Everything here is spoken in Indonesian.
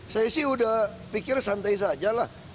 saya sih udah pikir santai saja lah